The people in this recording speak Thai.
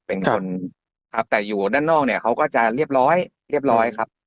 เป็นคนครับแต่อยู่ด้านนอกเนี่ยเขาก็จะเรียบร้อยเรียบร้อยครับ